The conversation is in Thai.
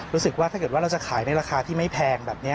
รู้สึกว่าถ้าเกิดว่าเราจะขายในราคาที่ไม่แพงแบบนี้